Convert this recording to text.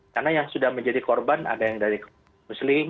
karena yang sudah menjadi korban ada yang dari muslim